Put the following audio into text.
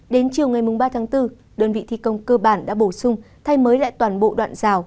đến chiều ngày ba tháng bốn đơn vị thi công cơ bản đã bổ sung thay mới lại toàn bộ đoạn rào